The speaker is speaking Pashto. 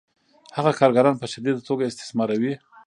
هغه کارګران په شدیده توګه استثماروي